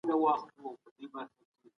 که یو څوک ووایي چي ځان پیژنم نو تېروځي.